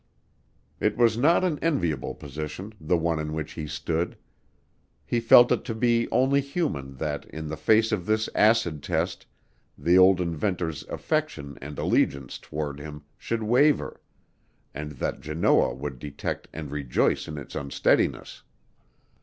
It was not an enviable position, the one in which he stood. He felt it to be only human that in the face of this acid test the old inventor's affection and allegiance toward him should waver, and that Janoah would detect and rejoice in its unsteadiness.